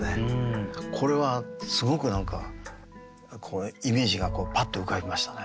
これはすごく何かイメージがパッと浮かびましたね。